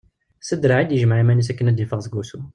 S draɛ i d-yejmeɛ iman-is akken ad d-iffeɣ seg wussu.